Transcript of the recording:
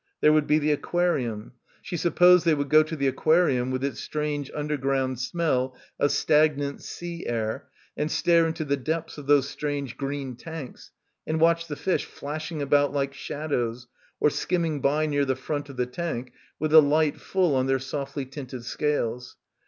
There would be the aquarium. She supposed they would go to the aquarium with its strange underground smell of stagnant sea air and stare into the depths of those strange green tanks and watch the fish flashing about like shadows or skimming by near the front of the tank with the light full on their softly tinted scales.